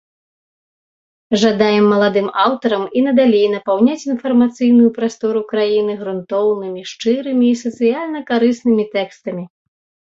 Жадаем маладым аўтарам і надалей напаўняць інфармацыйную прастору краіны грунтоўнымі, шчырымі і сацыяльна-карыснымі тэкстамі!